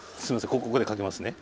ここでかけますね。